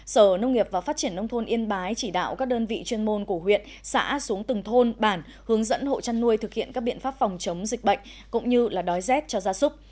sở nông nghiệp và phát triển nông thôn yên bái chỉ đạo các đơn vị chuyên môn của huyện xã xuống từng thôn bản hướng dẫn hộ chăn nuôi thực hiện các biện pháp phòng chống dịch bệnh cũng như đói rét cho gia súc